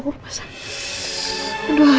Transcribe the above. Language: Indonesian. aduh ya allah